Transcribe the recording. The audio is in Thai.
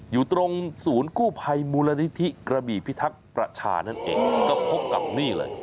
อยู่ตรงศูนย์กู้ภัยมูลนิธิกระบี่พิทักษ์ประชานั่นเองก็พบกับนี่เลย